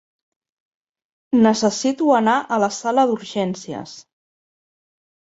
Necessito anar a la sala d'urgències.